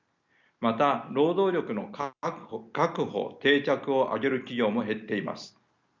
また「労働力の確保・定着」を挙げる企業も減っています。